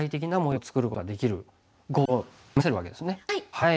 はい。